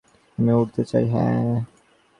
আমি উড়তে চাই, হ্যা!